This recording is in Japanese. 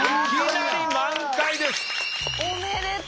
おめでとう！